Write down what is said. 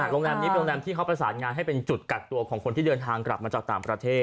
โรงแรมนี้เป็นโรงแรมที่เขาประสานงานให้เป็นจุดกักตัวของคนที่เดินทางกลับมาจากต่างประเทศ